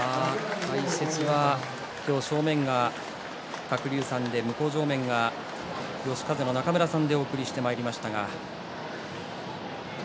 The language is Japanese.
正面が鶴竜さんで向正面は嘉風の中村さんでお送りしてまいりました。